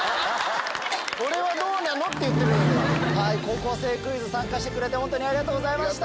『高校生クイズ』参加してくれてホントにありがとうございました。